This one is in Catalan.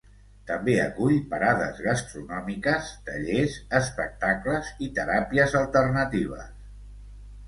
També acull parades gastronòmiques, tallers, espectacles i teràpies alternatives.